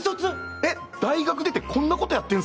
えっ大学出てこんなことやってんすか？